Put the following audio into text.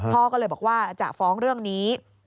พ่อก็เลยบอกว่าจะฟ้องเรื่องนี้